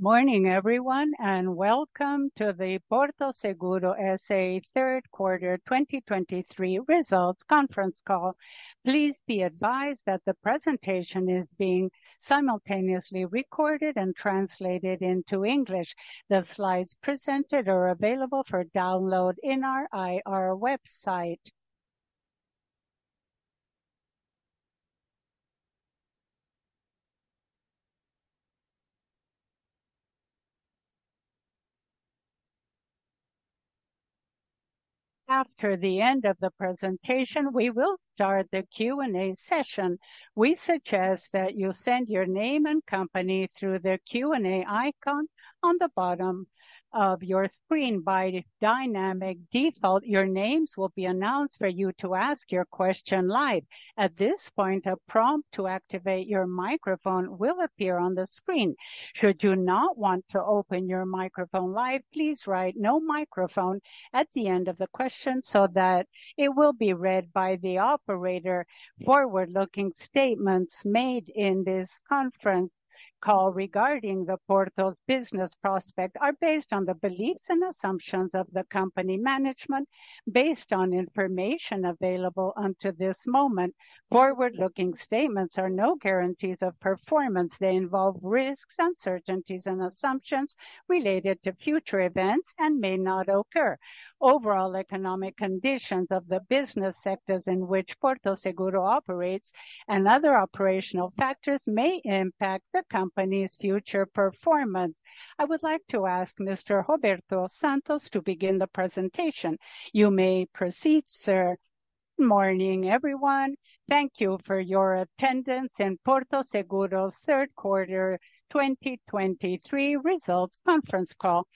Morning, everyone, and welcome to the Porto Seguro SA third quarter 2023 results conference call. Please be advised that the presentation is being simultaneously recorded and translated into English. The slides presented are available for download in our IR website. After the end of the presentation, we will start the Q&A session. We suggest that you send your name and company through the Q&A icon on the bottom of your screen. By dynamic default, your names will be announced for you to ask your question live. At this point, a prompt to activate your microphone will appear on the screen. Should you not want to open your microphone live, please write, "No microphone," at the end of the question so that it will be read by the operator. Forward-looking statements made in this conference call regarding Porto's business prospects are based on the beliefs and assumptions of the company management, based on information available until this moment. Forward-looking statements are no guarantees of performance. They involve risks, uncertainties, and assumptions related to future events and may not occur. Overall economic conditions of the business sectors in which Porto Seguro operates and other operational factors may impact the company's future performance. I would like to ask Mr. Roberto Santos to begin the presentation. You may proceed, sir. Morning, everyone. Thank you for your attendance in Porto Seguro third quarter 2023 results conference call.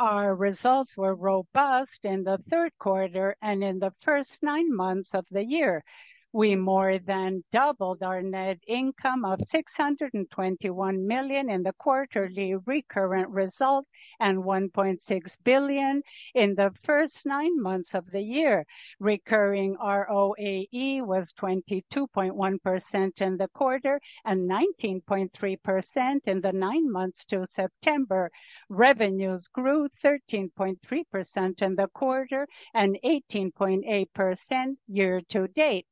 Our results were robust in the third quarter and in the first nine months of the year. We more than doubled our net income of 621 million in the quarterly recurrent result, and 1.6 billion in the first nine months of the year. Recurring ROAE was 22.1% in the quarter and 19.3% in the nine months to September. Revenues grew 13.3% in the quarter and 18.8% year to date,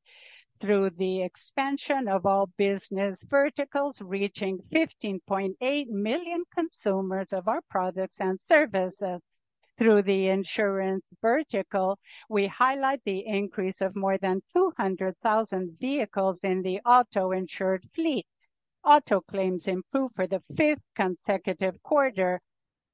through the expansion of all business verticals, reaching 15.8 million consumers of our products and services. Through the insurance vertical, we highlight the increase of more than 200,000 vehicles in the auto-insured fleet. Auto claims improved for the fifth consecutive quarter.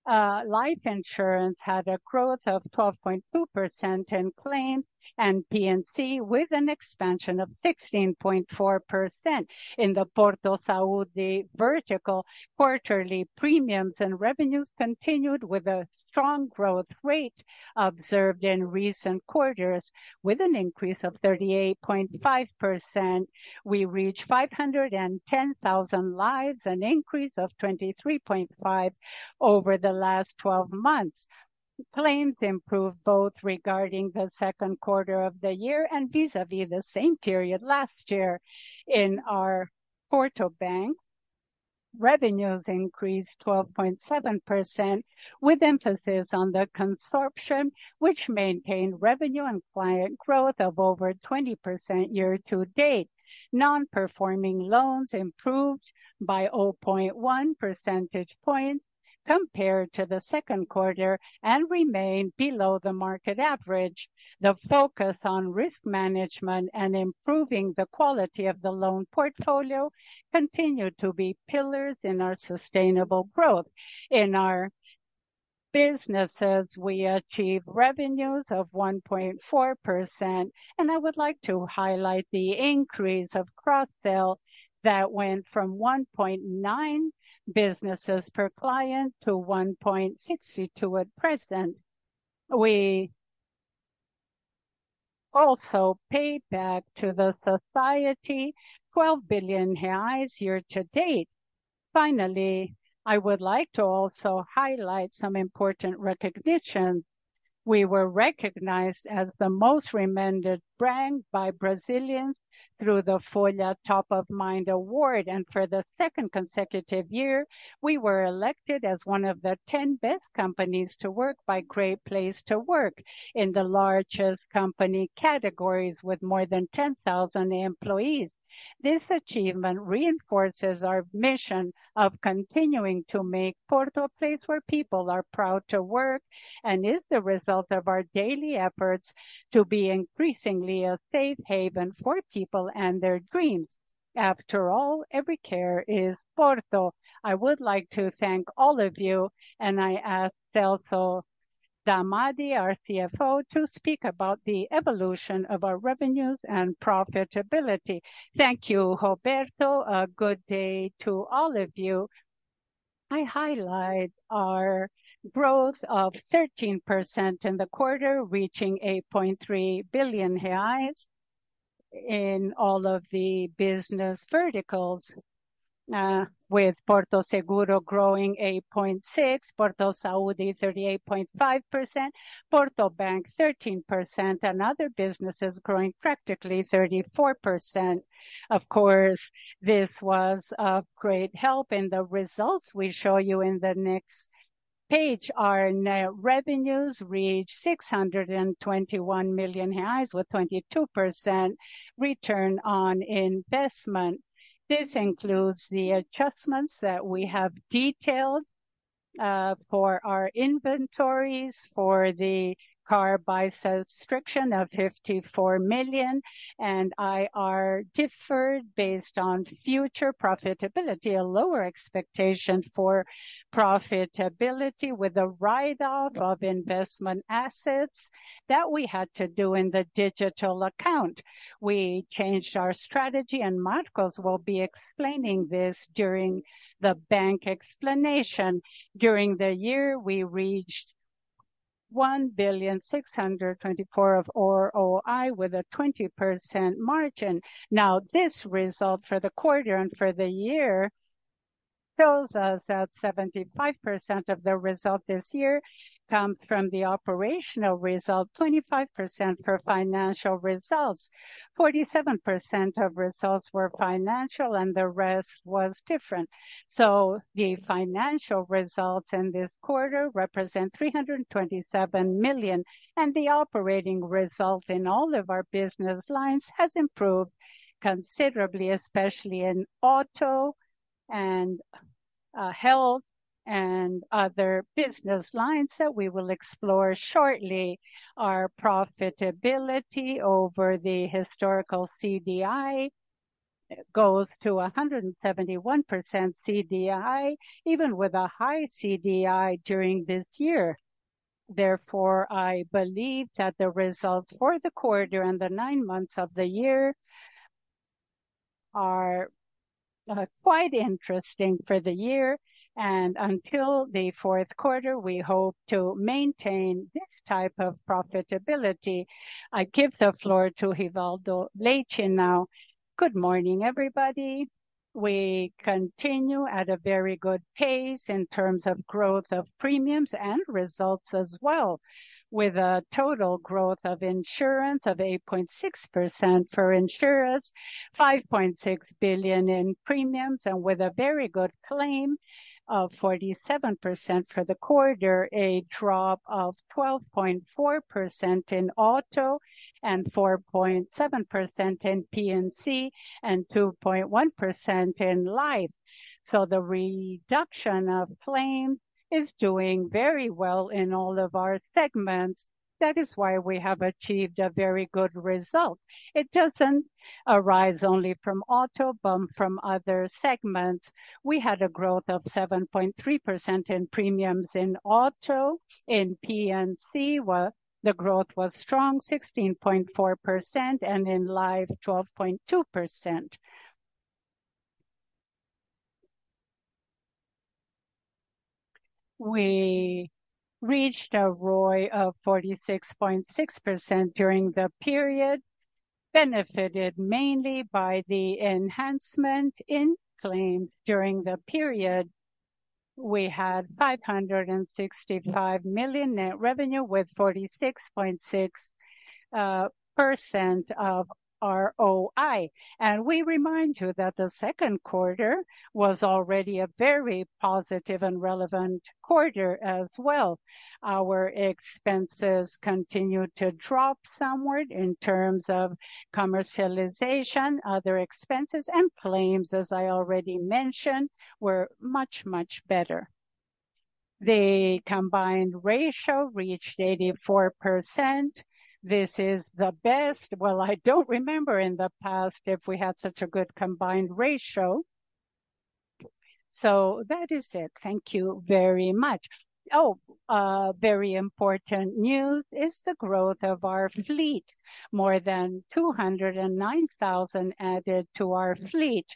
Life insurance had a growth of 12.2% in claims, and P&C with an expansion of 16.4%. In the Porto Saúde vertical, quarterly premiums and revenues continued with a strong growth rate observed in recent quarters, with an increase of 38.5%. We reached 510,000 lives, an increase of 23.5% over the last twelve months. Claims improved both regarding the second quarter of the year and vis-à-vis the same period last year. In our Porto Bank, revenues increased 12.7%, with emphasis on the consumption, which maintained revenue and client growth of over 20% year to date. Non-performing loans improved by 0.1 percentage points compared to the second quarter and remained below the market average. The focus on risk management and improving the quality of the loan portfolio continued to be pillars in our sustainable growth. In our businesses, we achieved revenues of 1.4%, and I would like to highlight the increase of cross-sale that went from 1.9 businesses per client to 1.62 at present. We also paid back to the society 12 billion reais year to date. Finally, I would like to also highlight some important recognitions. We were recognized as the most recommended brand by Brazilians through the Folha Top of Mind Award, and for the second consecutive year, we were elected as one of the 10 best companies to work by Great Place to Work in the largest company categories, with more than 10,000 employees. This achievement reinforces our mission of continuing to make Porto a place where people are proud to work, and is the result of our daily efforts to be increasingly a safe haven for people and their dreams. After all, every care is Porto. I would like to thank all of you, and I ask Celso Damadi, our CFO, to speak about the evolution of our revenues and profitability. Thank you, Roberto. A good day to all of you. I highlight our growth of 13% in the quarter, reaching 8.3 billion reais in all of the business verticals, with Porto Seguro growing 8.6%, Porto Saúde 38.5%, Porto Bank 13%, and other businesses growing practically 34%. Of course, this was of great help in the results we show you in the next page, our net revenues reached 621 million reais with 22% return on investment. This includes the adjustments that we have detailed for our inventories, for the car by subscription of 54 million, and IR deferred based on future profitability, a lower expectation for profitability with a write-off of investment assets that we had to do in the digital account. We changed our strategy, and Marcos will be explaining this during the bank explanation. During the year, we reached 1.624 billion of ROAE with a 20% margin. Now, this result for the quarter and for the year tells us that 75% of the result this year comes from the operational result, 25% for financial results. 47% of results were financial, and the rest was different. The financial results in this quarter represent 327 million, and the operating results in all of our business lines has improved considerably, especially in auto and health and other business lines that we will explore shortly. Our profitability over the historical CDI goes to 171% CDI, even with a high CDI during this year. Therefore, I believe that the results for the quarter and the nine months of the year are quite interesting for the year, and until the fourth quarter, we hope to maintain this type of profitability. I give the floor to Rivaldo Leite now. Good morning, everybody. We continue at a very good pace in terms of growth of premiums and results as well, with a total growth of insurance of 8.6% for insurance, 5.6 billion in premiums, and with a very good claim of 47% for the quarter, a drop of 12.4% in auto and 4.7% in P&C and 2.1% in Life. So, the reduction of claim is doing very well in all of our segments. That is why we have achieved a very good result. It doesn't arise only from auto, but from other segments. We had a growth of 7.3% in premiums in auto. In P&C, well, the growth was strong, 16.4%, and in Life, 12.2%. We reached a ROAE of 46.6% during the period, benefited mainly by the enhancement in claims during the period. We had 565 million net revenue with 46.6% of ROAE. We remind you that the second quarter was already a very positive and relevant quarter as well. Our expenses continued to drop somewhat in terms of commercialization. Other expenses and claims, as I already mentioned, were much, much better. The Combined Ratio reached 84%. This is the best, well, I don't remember in the past if we had such a good Combined Ratio. That is it. Thank you very much. Oh, very important news is the growth of our fleet. More than 209,000 added to our fleet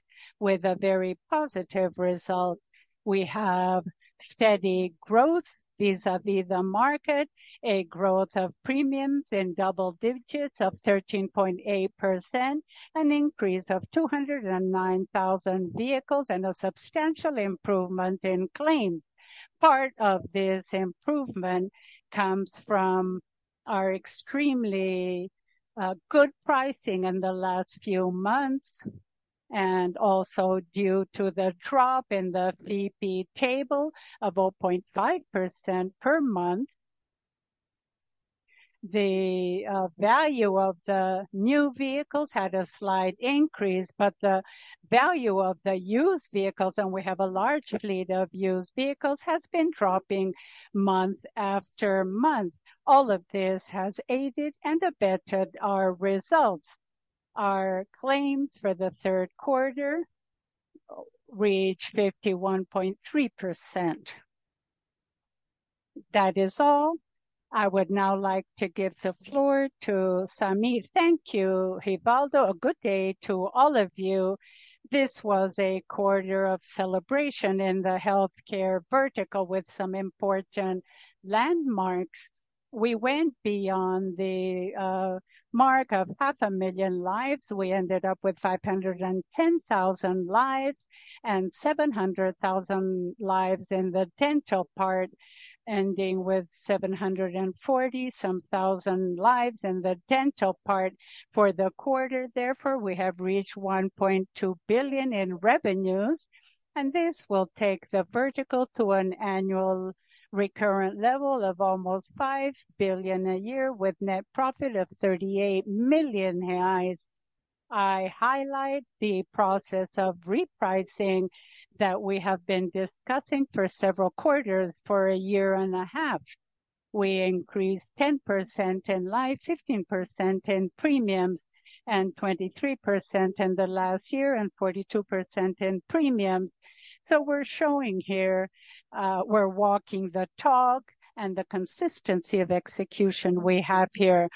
with a very positive result. We have steady growth vis-a-vis the market, a growth of premiums in double digits of 13.8%, an increase of 209,000 vehicles, and a substantial improvement in claims. Part of this improvement comes from our extremely good pricing in the last few months, and also due to the drop in the FIPE table of 0.5% per month. The value of the new vehicles had a slight increase, but the value of the used vehicles, and we have a large fleet of used vehicles, has been dropping month after month. All of this has aided and abetted our results. Our claims for the third quarter reached 51.3%. That is all. I would now like to give the floor to Sami. Thank you, Rivaldo. A good day to all of you. This was a quarter of celebration in the healthcare vertical with some important landmarks. We went beyond the mark of half a million lives. We ended up with 510,000 lives, and 700,000 lives in the dental part, ending with 740,000 lives in the dental part for the quarter. Therefore, we have reached 1.2 billion in revenues, and this will take the vertical to an annual recurrent level of almost 5 billion a year, with net profit of 38 million. I highlight the process of repricing that we have been discussing for several quarters for a year and a half. We increased 10% in life, 15% in premiums, and 23% in the last year, and 42% in premiums. So, we're showing here, we're walking the talk, and the consistency of execution we have here.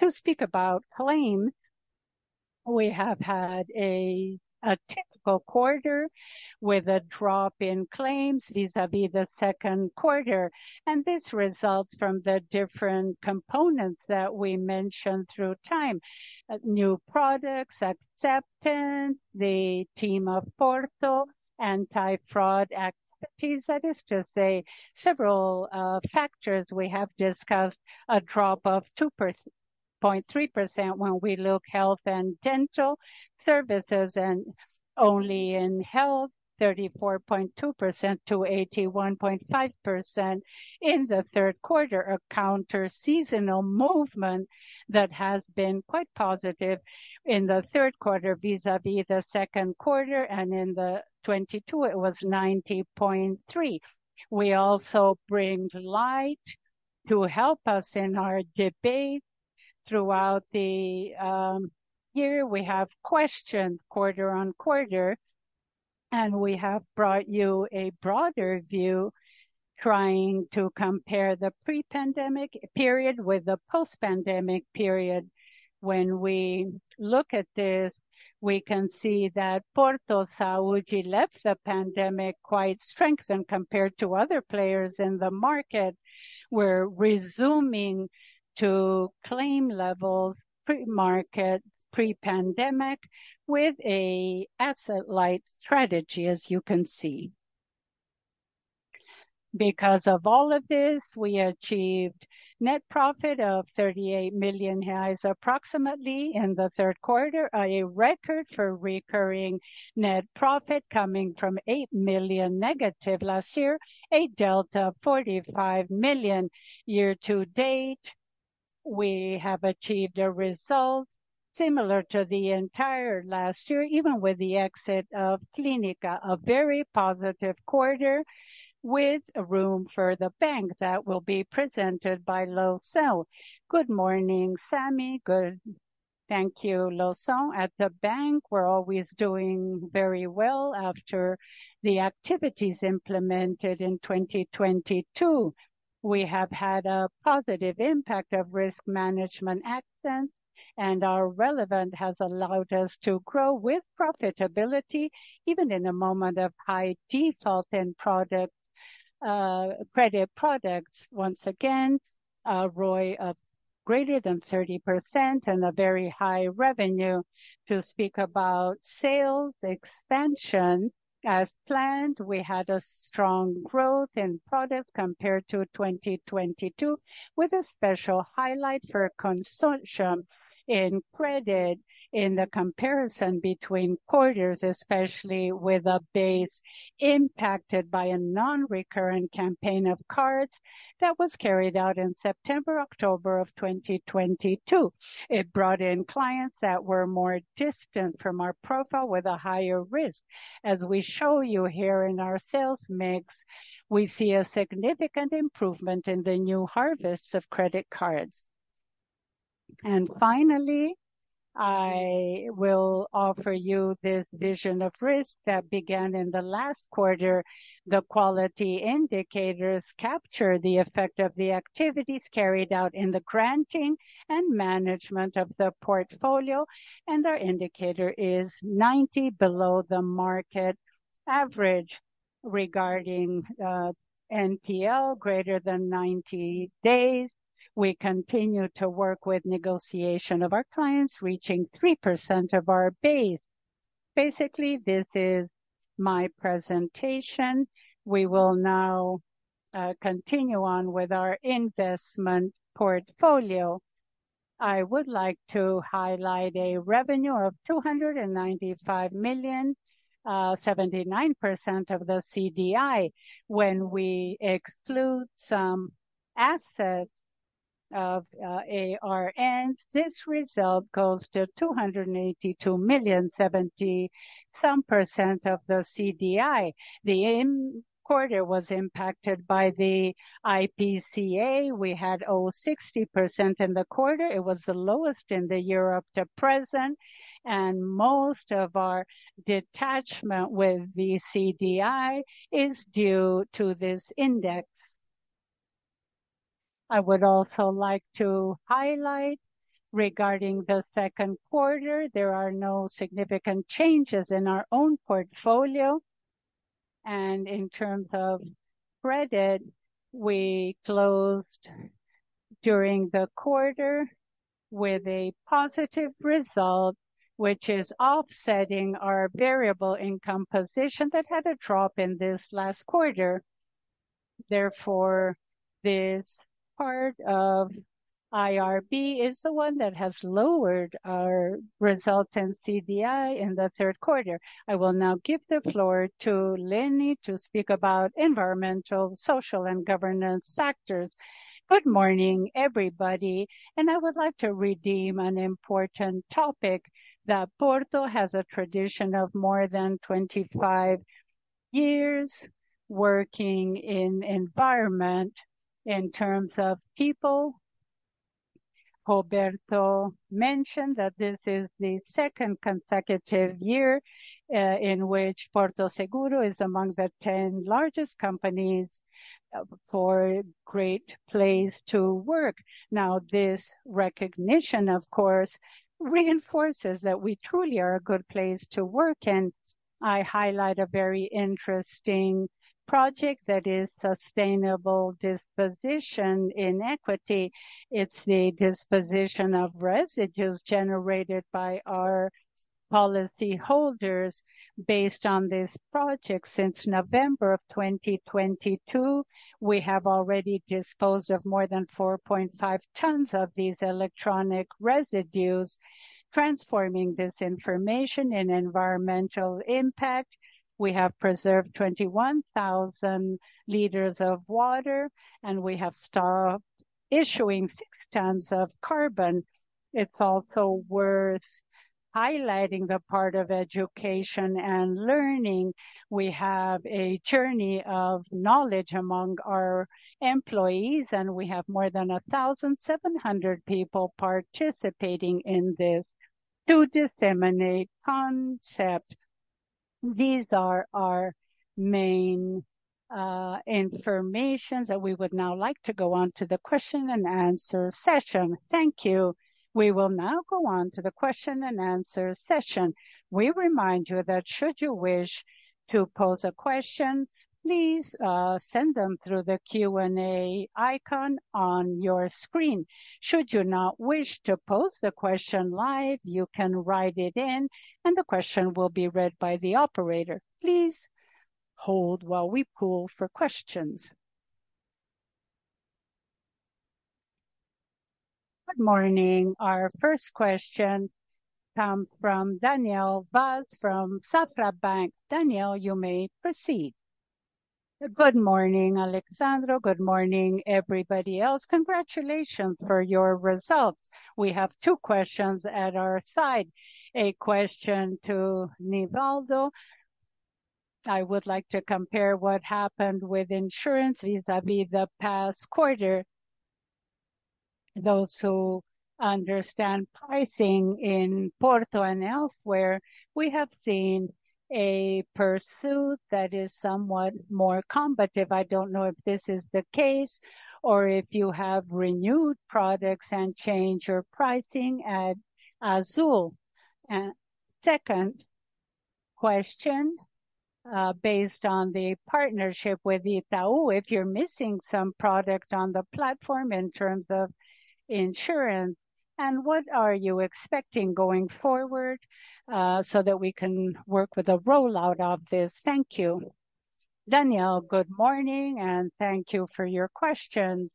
To speak about claim, we have had a typical quarter with a drop in claims vis-à-vis the second quarter, and this results from the different components that we mentioned through time: new products, acceptance, the team of Porto, anti-fraud activities. That is to say, several factors. We have discussed a drop of 2.3% when we look health and dental services, and only in health, 34.2%-81.5% in the third quarter, a counter-seasonal movement that has been quite positive in the third quarter vis-à-vis the second quarter, and in 2022, it was 90.3. We also bring to light to help us in our debate throughout the year, we have questioned quarter-on-quarter, and we have brought you a broader view, trying to compare the pre-pandemic period with the post-pandemic period. When we look at this, we can see that Porto, how she left the pandemic quite strengthened compared to other players in the market. We're resuming to claim levels, pre-market, pre-pandemic, with an asset-light strategy, as you can see. Because of all of this, we achieved net profit of 38 million, approximately in the third quarter, a record for recurring net profit coming from -8 million last year, a delta of 45 million. Year to date, we have achieved a result similar to the entire last year, even with the exit of Clínica, a very positive quarter with room for the bank that will be presented by Loução. Good morning, Sami. Good. Thank you, Loução. At the bank, we're always doing very well after the activities implemented in 2022. We have had a positive impact of risk management actions, and our relevance has allowed us to grow with profitability, even in a moment of high default in product, credit products. Once again, a ROAE of greater than 30% and a very high revenue. To speak about sales expansion, as planned, we had a strong growth in products compared to 2022, with a special highlight for Consortium and Credit in the comparison between quarters, especially with updates impacted by a non-recurrent campaign of cards that was carried out in September, October of 2022. It brought in clients that were more distant from our profile with a higher risk. As we show you here in our sales mix, we see a significant improvement in the new harvests of credit cards. And finally, I will offer you this vision of risk that began in the last quarter. The quality indicators capture the effect of the activities carried out in the granting and management of the portfolio, and our indicator is 90 below the market average regarding NPL greater than 90 days. We continue to work with negotiation of our clients, reaching 3% of our base. Basically, this is my presentation. We will now continue on with our investment portfolio. I would like to highlight a revenue of 295 million, 79% of the CDI. When we exclude some assets of IRB, this result goes to 282 million, 70-some% of the CDI. The end quarter was impacted by the IPCA. We had, oh, 60% in the quarter. It was the lowest in the year up to present, and most of our detachment with the CDI is due to this index. I would also like to highlight, regarding the second quarter, there are no significant changes in our own portfolio. In terms of credit, we closed during the quarter with a positive result, which is offsetting our variable income position that had a drop in this last quarter. Therefore, this part of IRB is the one that has lowered our result in CDI in the third quarter. I will now give the floor to Lene to speak about environmental, social, and governance factors. Good morning, everybody, and I would like to redeem an important topic, that Porto has a tradition of more than 25 years. Working in environment in terms of people. Roberto mentioned that this is the second consecutive year in which Porto Seguro is among the 10 largest companies for Great Place to Work. Now, this recognition, of course, reinforces that we truly are a good place to work, and I highlight a very interesting project that is sustainable disposition in equity. It's the disposition of residues generated by our policyholders based on this project. Since November of 2022, we have already disposed of more than 4.5 tons of these electronic residues, transforming this information and environmental impact. We have preserved 21,000 liters of water, and we have stopped issuing tons of carbon. It's also worth highlighting the part of education and learning. We have a journey of knowledge among our employees, and we have more than 1,700 people participating in this to disseminate concept. These are our main information, and we would now like to go on to the question-and-answer session. Thank you. We will now go on to the question-and-answer session. We remind you that should you wish to pose a question, please send them through the Q&A icon on your screen. Should you not wish to pose the question live, you can write it in, and the question will be read by the operator. Please hold while we poll for questions. Good morning. Our first question comes from Daniel Vaz from Safra Bank. Daniel, you may proceed. Good morning, Alexandro. Good morning, everybody else. Congratulations for your results. We have two questions at our side. A question to Rivaldo. I would like to compare what happened with insurance vis-à-vis the past quarter and also understand pricing in Porto and elsewhere. We have seen a pursuit that is somewhat more combative. I don't know if this is the case, or if you have renewed products and changed your pricing at Azul. And second question, based on the partnership with Itaú, if you're missing some product on the platform in terms of insurance, and what are you expecting going forward, so, that we can work with the rollout of this? Thank you. Daniel, good morning, and thank you for your question.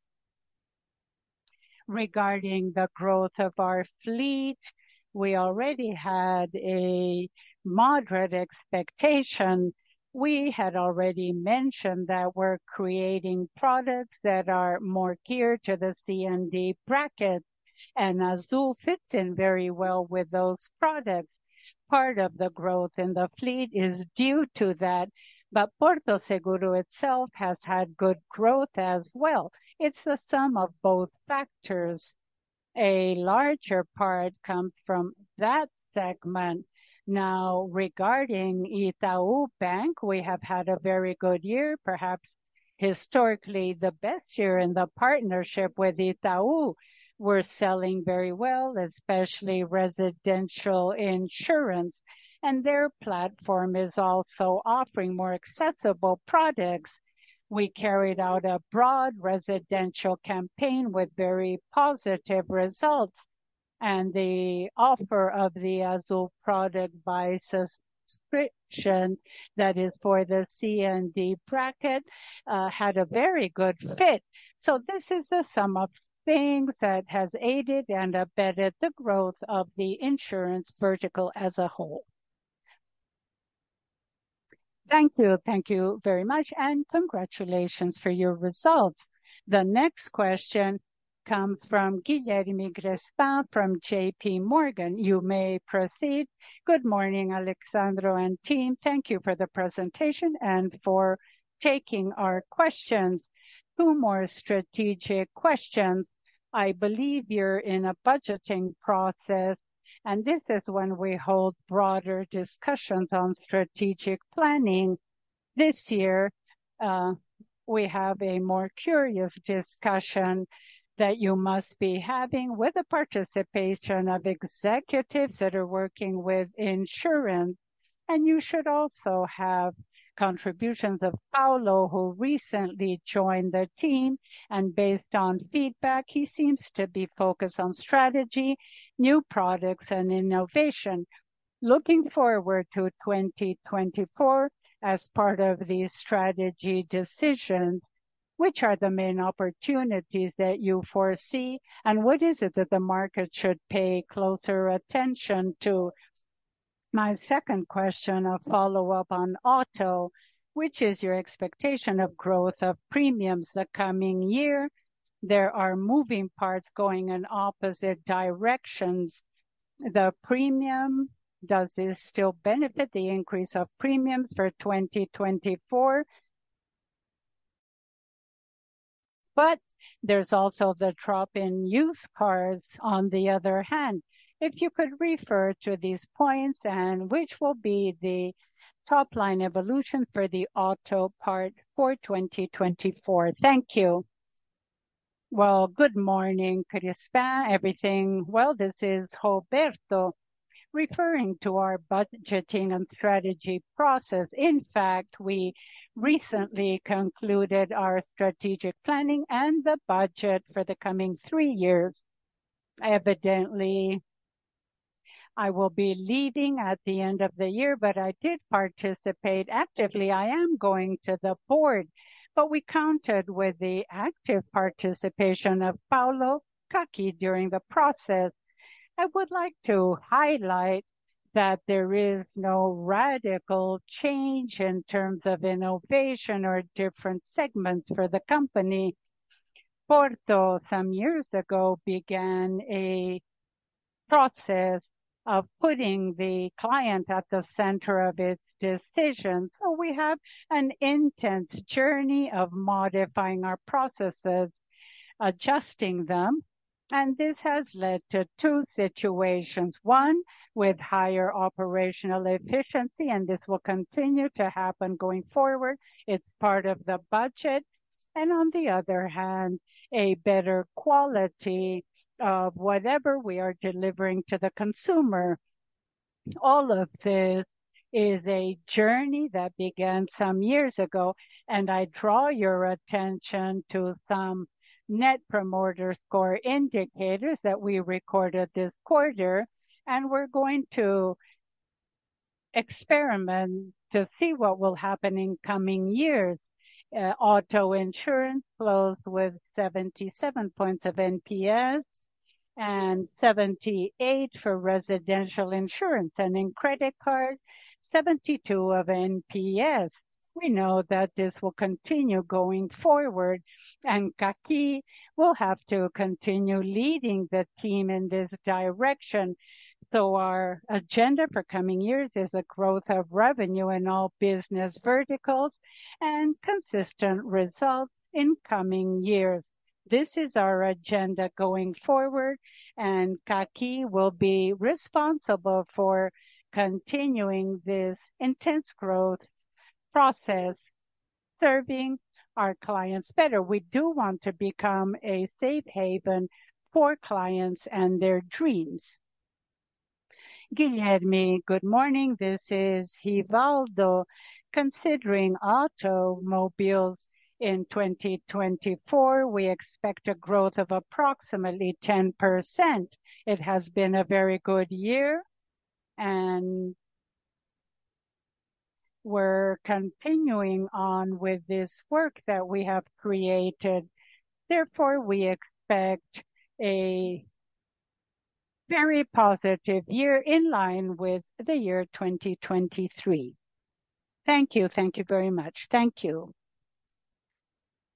Regarding the growth of our fleet, we already had a moderate expectation. We had already mentioned that we're creating products that are more geared to the C and D bracket, and Azul fits in very well with those products. Part of the growth in the fleet is due to that, but Porto Seguro itself has had good growth as well. It's the sum of both factors. A larger part comes from that segment. Now, regarding Itaú Bank, we have had a very good year, perhaps historically, the best year in the partnership with Itaú. We're selling very well, especially residential insurance, and their platform is also offering more accessible products. We carried out a broad residential campaign with very positive results, and the offer of the Azul product by subscription, that is for the CND bracket, had a very good fit. So, this is the sum of things that has aided and abetted the growth of the insurance vertical as a whole. Thank you. Thank you very much, and congratulations for your results. The next question comes from Guilherme Grespan from JP Morgan. You may proceed. Good morning, Alexandro and team. Thank you for the presentation and for taking our questions. Two more strategic questions. I believe you're in a budgeting process, and this is when we hold broader discussions on strategic planning. This year, we have a more curious discussion that you must be having with the participation of executives that are working with insurance, and you should also have contributions of Paulo, who recently joined the team, and based on feedback, he seems to be focused on strategy, new products and innovation. Looking forward to 2024 as part of the strategy decisions, which are the main opportunities that you foresee, and what is it that the market should pay closer attention to? My second question, a follow-up on auto. Which is your expectation of growth of premiums the coming year, there are moving parts going in opposite directions. The premium, does this still benefit the increase of premium for 2024? But there's also the drop in used parts on the other hand. If you could refer to these points and which will be the top line evolution for the auto part for 2024. Thank you. Well, good morning. Could you spell everything? Well, this is Roberto. Referring to our budgeting and strategy process, in fact, we recently concluded our strategic planning and the budget for the coming three years. Evidently, I will be leaving at the end of the year, but I did participate actively. I am going to the board. But we counted with the active participation of Paulo Kakinoff during the process. I would like to highlight that there is no radical change in terms of innovation or different segments for the company. Porto, some years ago, began a process of putting the client at the center of its decisions, so, we have an intense journey of modifying our processes, adjusting them, and this has led to two situations: one, with higher operational efficiency, and this will continue to happen going forward. It's part of the budget, and on the other hand, a better quality of whatever we are delivering to the consumer. All of this is a journey that began some years ago, and I draw your attention to some Net Promoter Score indicators that we recorded this quarter, and we're going to experiment to see what will happen in coming years. Auto insurance closed with 77 points of NPS and 78 for residential insurance, and in credit card, 72 of NPS. We know that this will continue going forward, and Kaki will have to continue leading the team in this direction. So, our agenda for coming years is a growth of revenue in all business verticals and consistent results in coming years. This is our agenda going forward, and Kaki will be responsible for continuing this intense growth process, serving our clients better. We do want to become a safe haven for clients and their dreams. Guilherme, good morning, this is Rivaldo. Considering automobiles in 2024, we expect a growth of approximately 10%. It has been a very good year, and we're continuing on with this work that we have created. Therefore, we expect a very positive year in line with the year 2023. Thank you. Thank you very much. Thank you.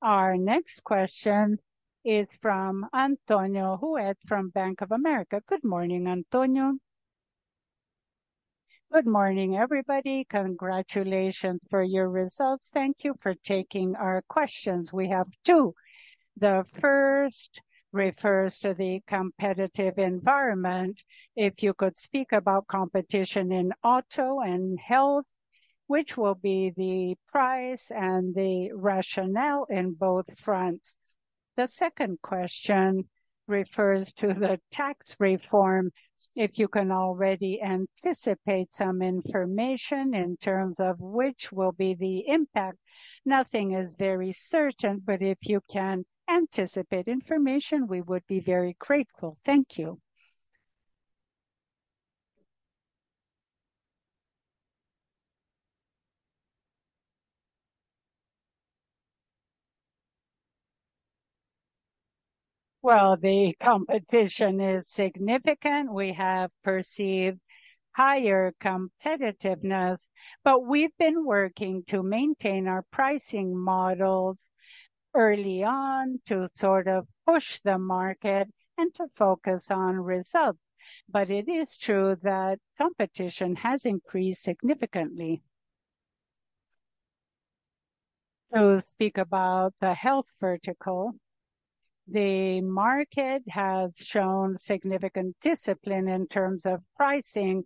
Our next question is from Antonio Ruette, from Bank of America. Good morning, Antonio. Good morning, everybody. Congratulations for your results. Thank you for taking our questions. We have two. The first refers to the competitive environment. If you could speak about competition in auto and health, which will be the price and the rationale in both fronts. The second question refers to the tax reform, if you can already anticipate some information in terms of which will be the impact. Nothing is very certain, but if you can anticipate information, we would be very grateful. Thank you. Well, the competition is significant. We have perceived higher competitiveness, but we've been working to maintain our pricing models early on to sort of push the market and to focus on results. But it is true that competition has increased significantly. To speak about the health vertical, the market has shown significant discipline in terms of pricing.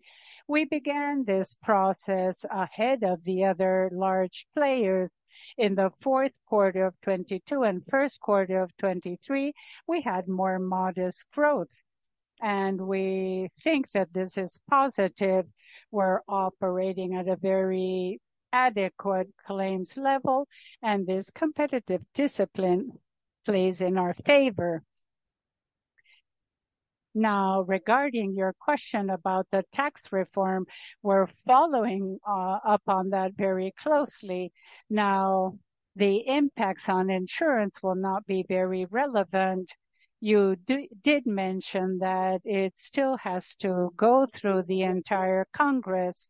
We began this process ahead of the other large players. In the fourth quarter of 2022 and first quarter of 2023, we had more modest growth, and we think that this is positive. We're operating at a very adequate claims level, and this competitive discipline plays in our favor. Now, regarding your question about the tax reform, we're following up on that very closely. Now, the impacts on insurance will not be very relevant. You did mention that it still has to go through the entire Congress.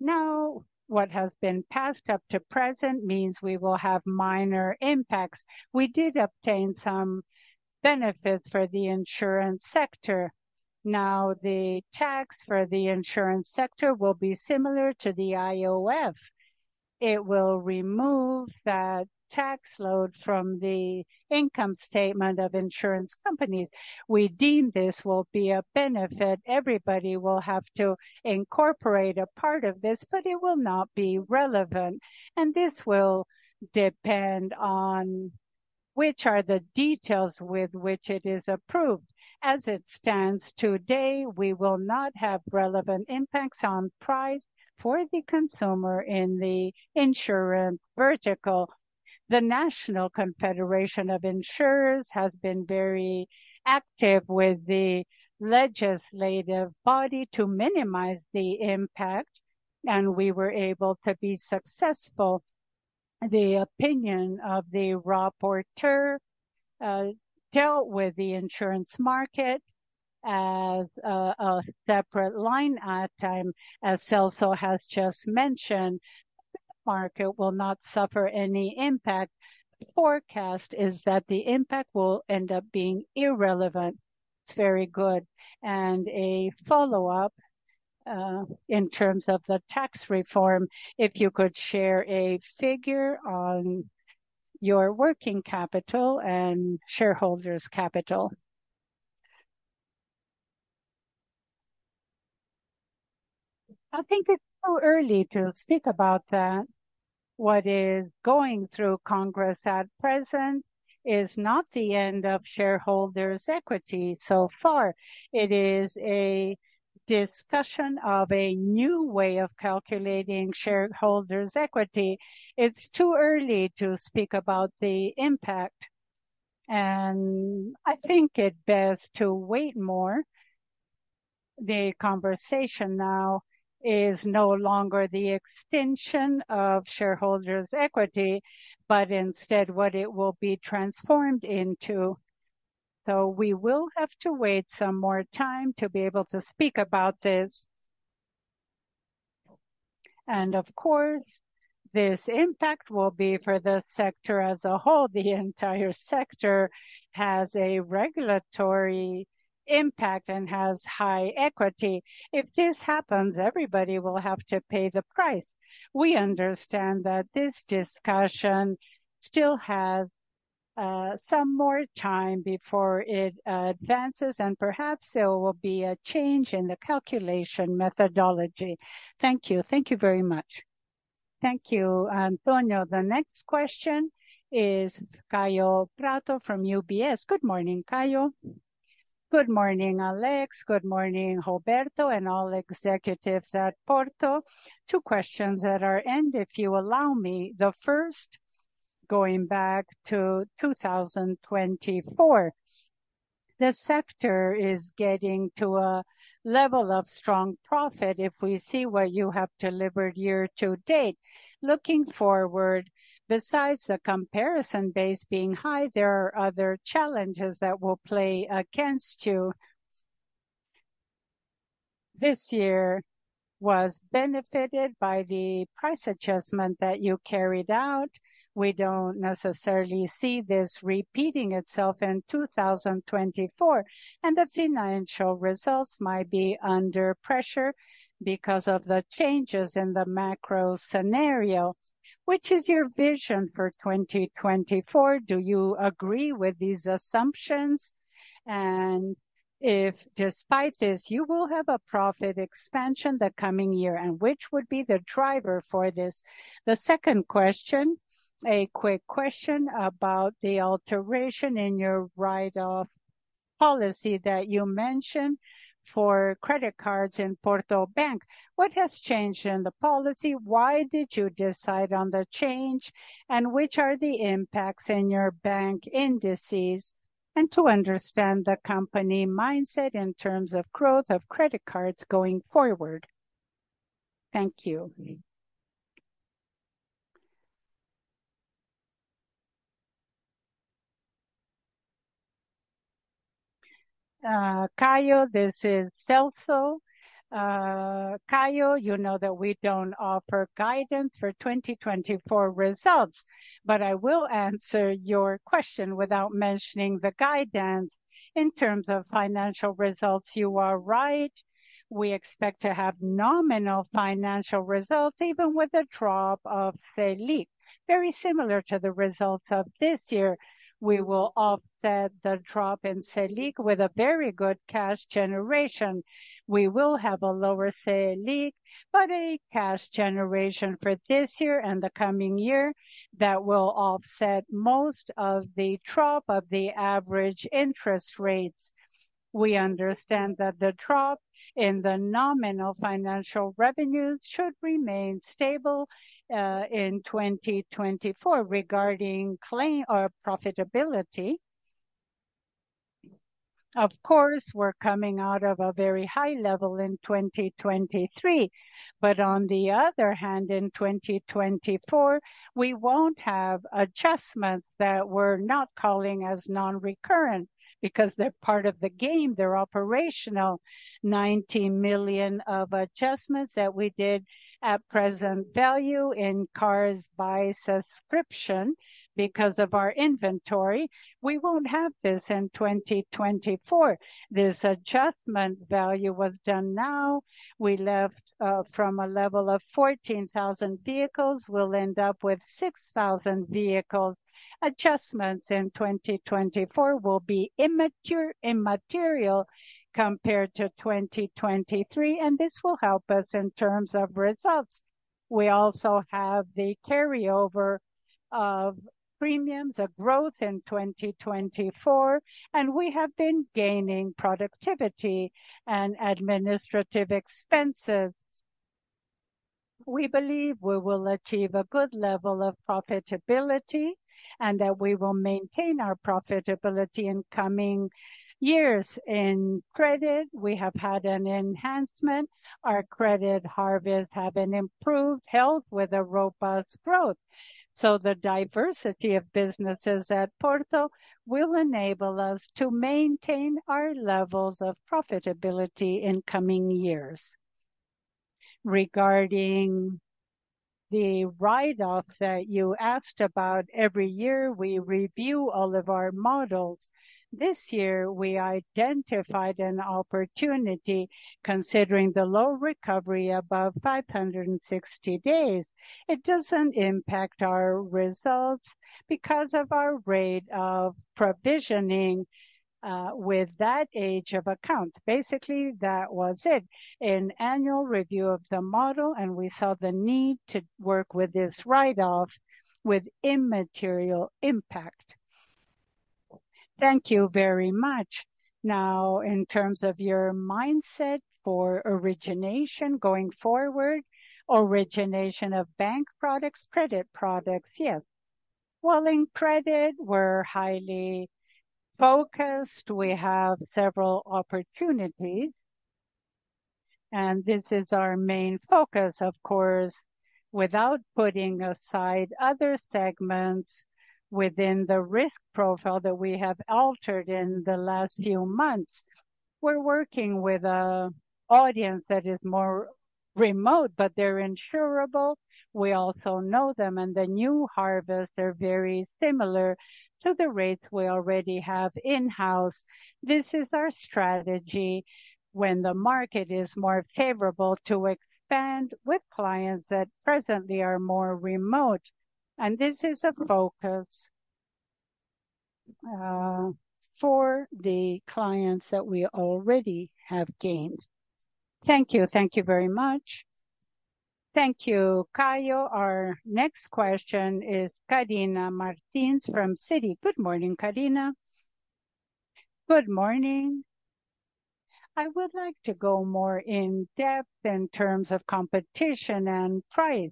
No, what has been passed up to present means we will have minor impacts. We did obtain some benefits for the insurance sector. Now, the tax for the insurance sector will be similar to the IOF. It will remove that tax load from the income statement of insurance companies. We deem this will be a benefit. Everybody will have to incorporate a part of this, but it will not be relevant, and this will depend on which are the details with which it is approved. As it stands today, we will not have relevant impacts on price for the consumer in the insurance vertical. The National Confederation of Insurers has been very active with the legislative body to minimize the impact, and we were able to be successful. The opinion of the reporter dealt with the insurance market as a separate line item, as Celso has just mentioned. Market will not suffer any impact. The forecast is that the impact will end up being irrelevant. It's very good. A follow-up in terms of the tax reform, if you could share a figure on your working capital and shareholders' capital. I think it's too early to speak about that. What is going through Congress at present is not the end of shareholders' equity so far. It is a discussion of a new way of calculating shareholders' equity. It's too early to speak about the impact, and I think it best to wait more. The conversation now is no longer the extension of shareholders' equity, but instead what it will be transformed into. So, we will have to wait some more time to be able to speak about this. And of course, this impact will be for the sector as a whole. The entire sector has a regulatory impact and has high equity. If this happens, everybody will have to pay the price. We understand that this discussion still has some more time before it advances, and perhaps there will be a change in the calculation methodology. Thank you. Thank you very much. Thank you, Antonio. The next question is Kaio Prato from UBS. Good morning, Kaio. Good morning, Alex. Good morning, Roberto, and all executives at Porto. Two questions at our end, if you allow me. The first, going back to 2024. The sector is getting to a level of strong profit if we see what you have delivered year to date. Looking forward, besides the comparison base being high, there are other challenges that will play against you. This year was benefited by the price adjustment that you carried out. We don't necessarily see this repeating itself in 2024, and the financial results might be under pressure because of the changes in the macro scenario. Which is your vision for 2024? Do you agree with these assumptions? If, despite this, you will have a profit expansion the coming year, and which would be the driver for this? The second question, a quick question about the alteration in your write-off policy that you mentioned for credit cards in Porto Bank. What has changed in the policy? Why did you decide on the change? And which are the impacts in your bank indices, and to understand the company mindset in terms of growth of credit cards going forward. Thank you. Kaio, this is Celso. Kaio, you know that we don't offer guidance for 2024 results, but I will answer your question without mentioning the guidance. In terms of financial results, you are right. We expect to have nominal financial results, even with the drop of Selic. Very similar to the results of this year, we will offset the drop in Selic with a very good cash generation. We will have a lower Selic, but a cash generation for this year and the coming year that will offset most of the drop of the average interest rates. We understand that the drop in the nominal financial revenues should remain stable in 2024. Regarding claim or profitability. Of course, we're coming out of a very high level in 2023, but on the other hand, in 2024, we won't have adjustments that we're not calling as non-recurrent because they're part of the game, they're operational. 19 million of adjustments that we did at present value in cars by subscription because of our inventory, we won't have this in 2024. This adjustment value was done now. We left from a level of 14,000 vehicles, we'll end up with 6,000 vehicles. Adjustments in 2024 will be immaterial compared to 2023, and this will help us in terms of results. We also have the carryover of premiums, a growth in 2024, and we have been gaining productivity and administrative expenses. We believe we will achieve a good level of profitability, and that we will maintain our profitability in coming years. In credit, we have had an enhancement. Our credit harvest have an improved health with a robust growth. So, the diversity of businesses at Porto will enable us to maintain our levels of profitability in coming years. Regarding the write-off that you asked about, every year, we review all of our models. This year, we identified an opportunity considering the low recovery above 560 days. It doesn't impact our results because of our rate of provisioning with that age of account. Basically, that was it, an annual review of the model, and we saw the need to work with this write-off with immaterial impact. Thank you very much. Now, in terms of your mindset for origination going forward, origination of bank products, credit products? Yes. Well, in credit, we're highly focused. We have several opportunities, and this is our main focus, of course, without putting aside other segments within the risk profile that we have altered in the last few months. We're working with an audience that is more remote, but they're insurable. We also know them, and the new harvests are very similar to the rates we already have in-house. This is our strategy when the market is more favorable to expand with clients that presently are more remote, and this is a focus for the clients that we already have gained. Thank you. Thank you very much. Thank you, Kaio. Our next question is Karina Martins from Citi. Good morning, Karina. Good morning. I would like to go more in depth in terms of competition and price.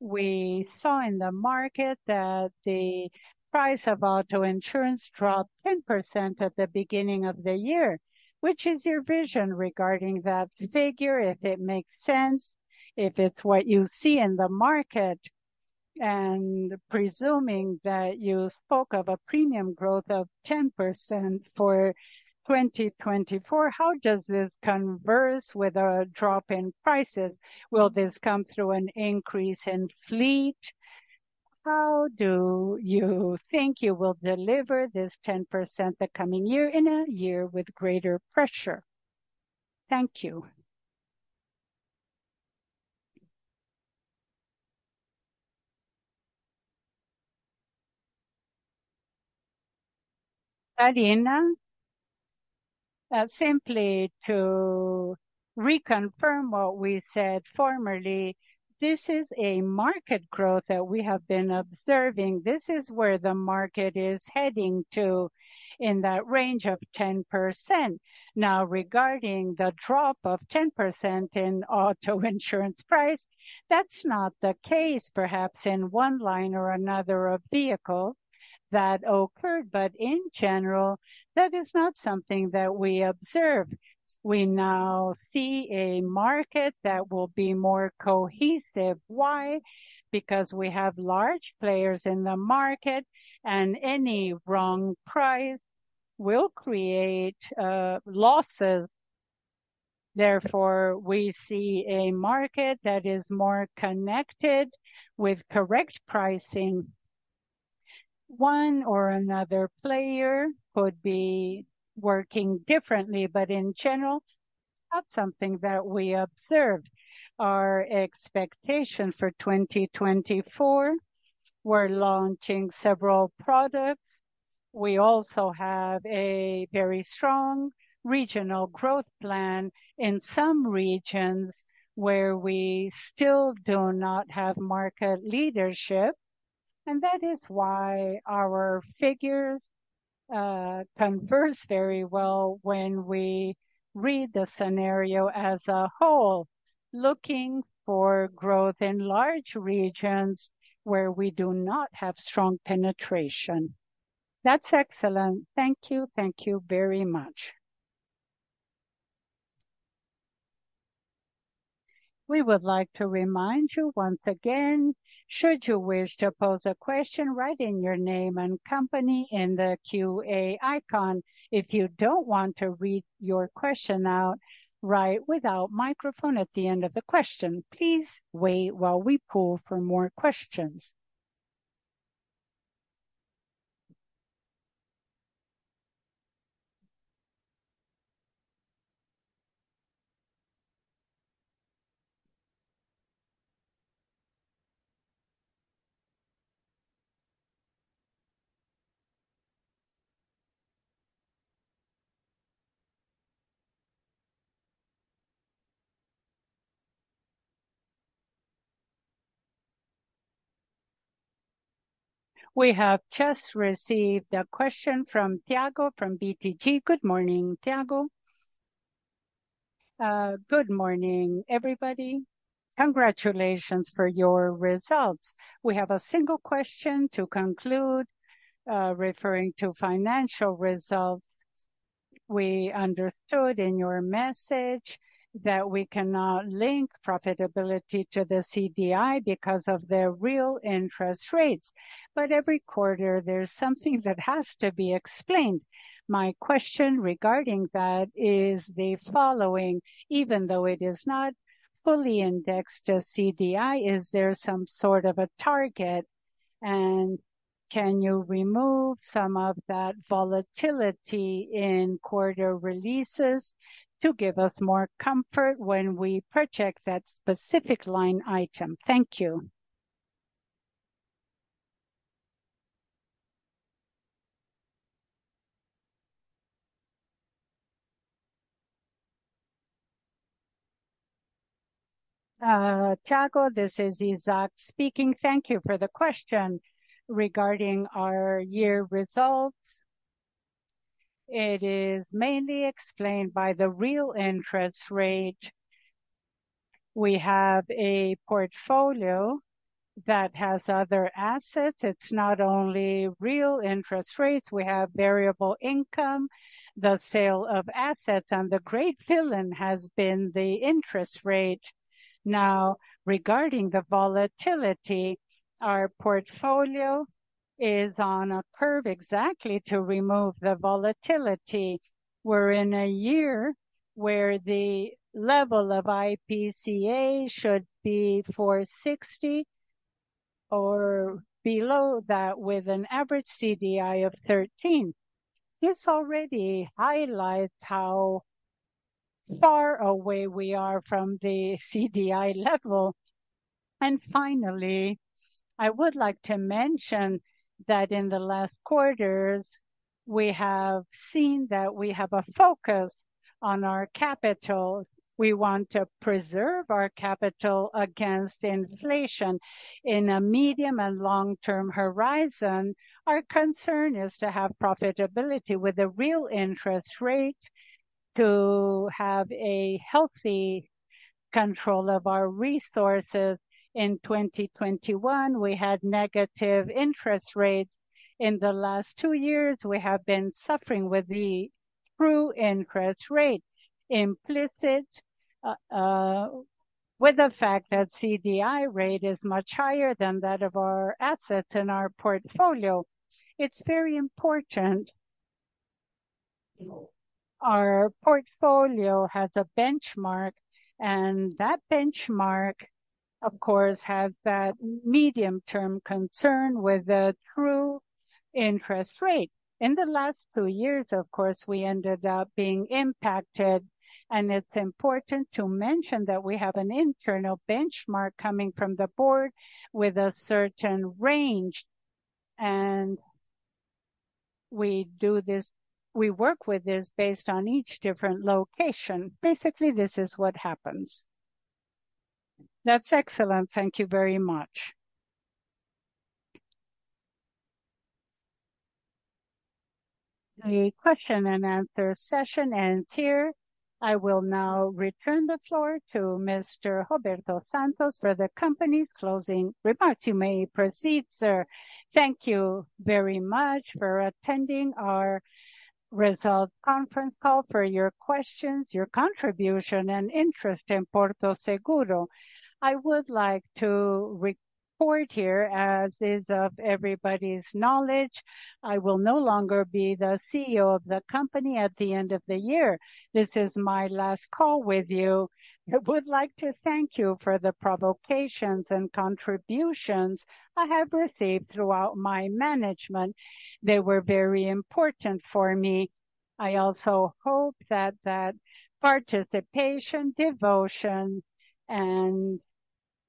We saw in the market that the price of auto insurance dropped 10% at the beginning of the year. Which is your vision regarding that figure, if it makes sense, if it's what you see in the market? And presuming that you spoke of a premium growth of 10% for 2024, how does this converse with a drop in prices? Will this come through an increase in fleet? How do you think you will deliver this 10% the coming year, in a year with greater pressure? Thank you. Karina, simply to reconfirm what we said formerly, this is a market growth that we have been observing. This is where the market is heading to, in that range of 10%. Now, regarding the drop of 10% in auto insurance price, that's not the case. Perhaps in one line or another of vehicle, that occurred, but in general, that is not something that we observe. We now see a market that will be more cohesive. Why? Because we have large players in the market, and any wrong price will create losses. Therefore, we see a market that is more connected with correct pricing. One or another player could be working differently, but in general, that's something that we observe. Our expectation for 2024, we're launching several products. We also have a very strong regional growth plan in some regions where we still do not have market leadership, and that is why our figures, converts very well when we read the scenario as a whole.... looking for growth in large regions where we do not have strong penetration. That's excellent. Thank you. Thank you very much. We would like to remind you once again, should you wish to pose a question, write in your name and company in the QA icon. If you don't want to read your question out, write "without microphone" at the end of the question. Please wait while we poll for more questions. We have just received a question from Thiago from BTG. Good morning, Thiago. Good morning, everybody. Congratulations for your results. We have a single question to conclude, referring to financial results. We understood in your message that we cannot link profitability to the CDI because of the real interest rates, but every quarter, there's something that has to be explained. My question regarding that is the following: Even though it is not fully indexed to CDI, is there some sort of a target? And can you remove some of that volatility in quarter releases to give us more comfort when we project that specific line item? Thank you. Thiago, this is Isaac speaking. Thank you for the question. Regarding our year results, it is mainly explained by the real interest rate. We have a portfolio that has other assets. It's not only real interest rates. We have variable income, the sale of assets, and the great villain has been the interest rate. Now, regarding the volatility, our portfolio is on a curve exactly to remove the volatility. We're in a year where the level of IPCA should be 4.60 or below that, with an average CDI of 13. This already highlights how far away we are from the CDI level. Finally, I would like to mention that in the last quarters, we have seen that we have a focus on our capital. We want to preserve our capital against inflation. In a medium and long-term horizon, our concern is to have profitability with a real interest rate, to have a healthy control of our resources. In 2021, we had negative interest rates. In the last two years, we have been suffering with the true interest rate, implicit, with the fact that CDI rate is much higher than that of our assets in our portfolio. It's very important our portfolio has a benchmark, and that benchmark, of course, has that medium-term concern with the true interest rate. In the last two years, of course, we ended up being impacted, and it's important to mention that we have an internal benchmark coming from the board with a certain range, and we do this, we work with this based on each different location. Basically, this is what happens. That's excellent. Thank you very much. The question and answer session ends here. I will now return the floor to Mr. Roberto Santos for the company's closing remarks. You may proceed, sir. Thank you very much for attending our results conference call, for your questions, your contribution, and interest in Porto Seguro. I would like to report here, as is of everybody's knowledge, I will no longer be the CEO of the company at the end of the year. This is my last call with you. I would like to thank you for the provocations and contributions I have received throughout my management. They were very important for me. I also hope that that participation, devotion,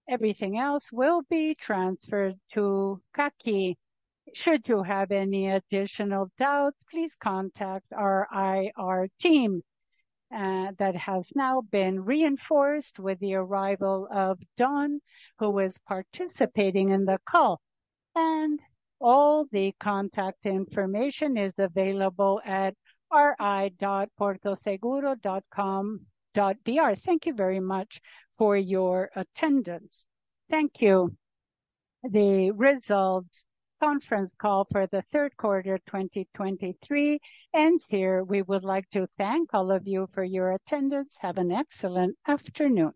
and everything else will be transferred to Kakinoff. Should you have any additional doubts, please contact our IR team, that has now been reinforced with the arrival of Domingos, who is participating in the call. All the contact information is available at ri.portoseguro.com.br. Thank you very much for your attendance. Thank you. The results conference call for the third quarter 2023 ends here. We would like to thank all of you for your attendance. Have an excellent afternoon.